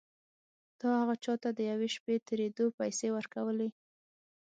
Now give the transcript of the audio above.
تا هغه چا ته د یوې شپې تېرېدو پيسې ورکولې.